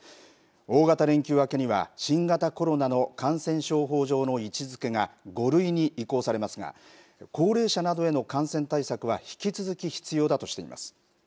大型連休明けには新型コロナの感染症法上の位置づけが５類に移行されますが高齢者などへの感染対策は引き続き必要だとしています。